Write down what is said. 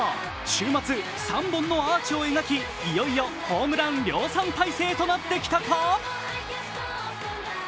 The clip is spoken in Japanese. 週末３本のアーチを描き、いよいよホームラン量産体制となってきたか？